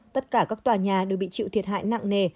tất cả các tòa nhà đều bị chịu thiệt hại nặng nề